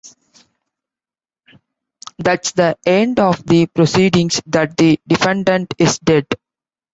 That's the end of the proceedings, that the defendant is dead.